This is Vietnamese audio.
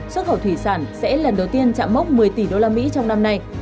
xuất khẩu thủy sản sẽ lần đầu tiên chạm mốc một mươi tỷ usd trong năm nay